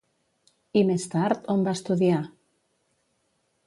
I més tard, on va estudiar?